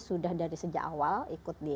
sudah dari sejak awal ikut di